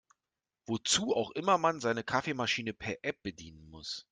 Wozu auch immer man seine Kaffeemaschine per App bedienen muss.